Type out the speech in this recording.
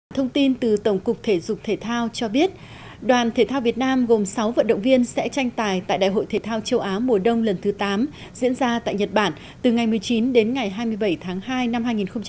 thông tin từ tổng cục thể dục thể thao cho biết đoàn thể thao việt nam gồm sáu vận động viên sẽ tranh tài tại đại hội thể thao châu á mùa đông lần thứ tám diễn ra tại nhật bản từ ngày một mươi chín đến ngày hai mươi bảy tháng hai năm hai nghìn hai mươi